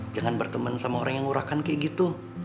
jangan bertemen sama orang yang ngurahkan kayak gitu